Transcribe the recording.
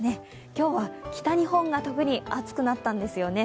今日は北日本が特に暑くなったんですよね。